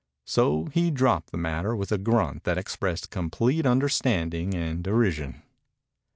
So he dropped the matter with a grunt that expressed complete understanding and derision.